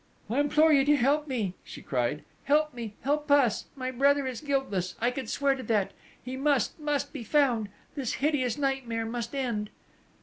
"I implore you to help me!" she cried: "Help me: help us! My brother is guiltless I could swear to that!... He must must be found!... This hideous nightmare must end!"